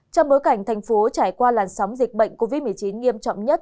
trong bối cảnh thành phố trải qua làn sóng dịch bệnh covid một mươi chín nghiêm trọng nhất